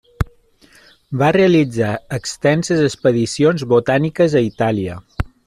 Va realitzar extenses expedicions botàniques a Itàlia.